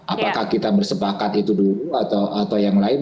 apakah kita bersepakat itu dulu atau yang lain